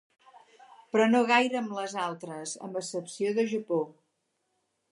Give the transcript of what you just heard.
Però no gaire amb les altres, amb excepció del Japó.